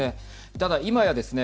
ただ、今やですね